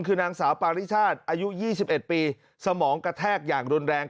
คือนางสาวปาริชาติอายุ๒๑ปีสมองกระแทกอย่างรุนแรง